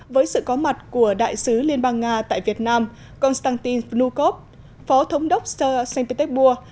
với sự có mặt của đại sứ liên bang nga tại việt nam konstantin vnukov phó thống đốc stéc bua